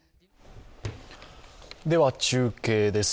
では、中継です。